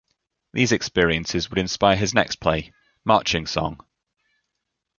These experiences would inspire his next play, "Marching Song".